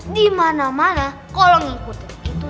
dimana mana kalau ngikutin itu